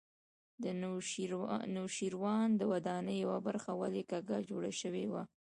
د نوشیروان د ودانۍ یوه برخه ولې کږه جوړه شوې وه.